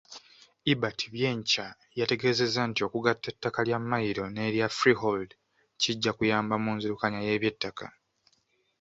Ebert Byenkya yategeezezza nti okugatta ettaka lya mmayiro n’erya freehold kijja kuyamba mu nzirukanya y’eby'ettaka.